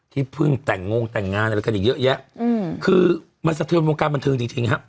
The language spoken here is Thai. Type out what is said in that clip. ที่เพิ่งแต่งงแต่งงานอะไรกันอีกเยอะแยะคือมันสะเทือนวงการบันเทิงจริงจริงฮะ